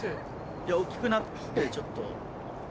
いや大っきくなってちょっと。